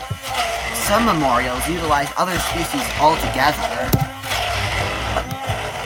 Some memorials utilise other species altogether.